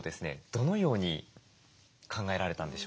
どのように考えられたんでしょうか？